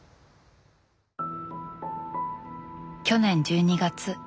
去年１２月。